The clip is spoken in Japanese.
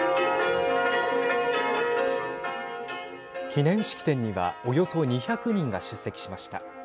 記念式典にはおよそ２００人が出席しました。